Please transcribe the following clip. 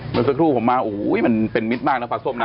เมื่อสักครู่ผมมาโอ้โหมันเป็นมิตรมากนะปลาส้มนะ